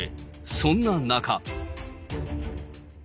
そんな中。